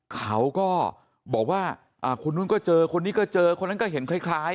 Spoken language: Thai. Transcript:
เขาก็บอกว่าคนนู้นก็เจอคนนี้ก็เจอคนนั้นก็เห็นคล้าย